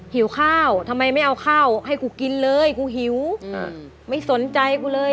หิวข้าวทำไมไม่เอาข้าวให้กูกินเลยกูหิวไม่สนใจกูเลย